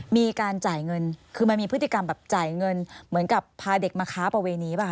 มีการจ่ายเงินคือมันมีพฤติกรรมแบบจ่ายเงินเหมือนกับพาเด็กมาค้าประเวณีป่